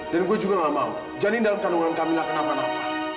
dan gue juga gak mau janin dalam kandungan kamila kenapa napa